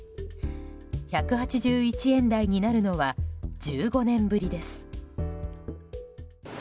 １８１円台になるのは１５年ぶりです。